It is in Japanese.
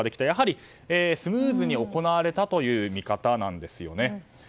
やはりスムーズに行われたという見方なんですね。